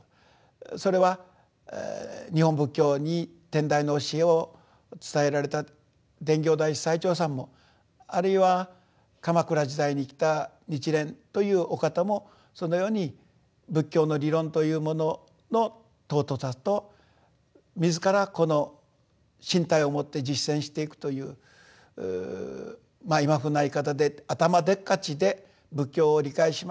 それは日本仏教に天台の教えを伝えられた伝教大師最澄さんもあるいは鎌倉時代に生きた日蓮というお方もそのように仏教の理論というものの尊さと自らこの身体をもって実践していくという今風な言い方で頭でっかちで仏教を理解しましたということではない。